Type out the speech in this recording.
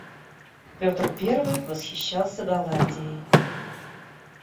Пётр Первый восхищался Голландией.